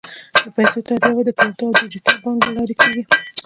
د پیسو تادیه به د کریپټو او ډیجیټل بانک له لارې کېږي.